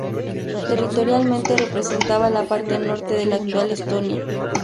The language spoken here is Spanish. Territorialmente, representaba la parte norte de la actual Estonia.